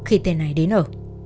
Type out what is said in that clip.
khi tên này đến ở